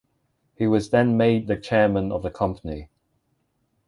He was then made the chairman of the company.